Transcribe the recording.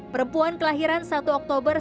perempuan kelahiran satu oktober